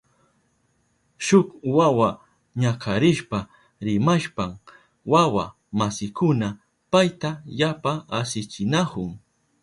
Shuk wawa ñakarishpa rimashpan wawa masinkuna payta yapa asichinahun.